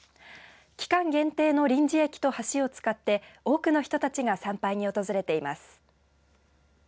期間限定の臨時駅と橋を使って多くの人たちが参拝に訪れています。